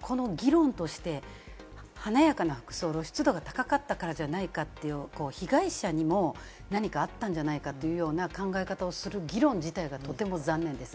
この議論として華やかな服装、露出度が高かったからじゃないかという、被害者にも何かあったんじゃないかというような考え方をする議論自体がとても残念です。